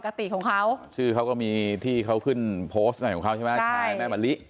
ติของเขาชื่อเขาก็มีที่เขาขึ้นโพสต์อะไรของเขาใช่ไหมใช่แม่มะลิ